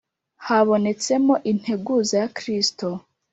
habonetsemo integuza ya Kristo